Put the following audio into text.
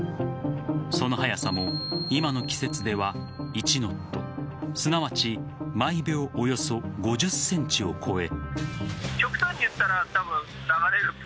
その速さも今の季節では１ノットすなわち毎秒およそ５０センチを超え。